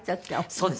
そうです。